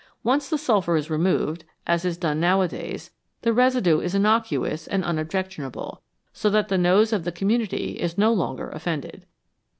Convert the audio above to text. Once the sulphur is removed, as is done nowadays, the residue is innocuous and unobjectionable, so that the nose of the community is no longer offended.